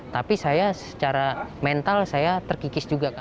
tapi saya secara mental saya terkikis juga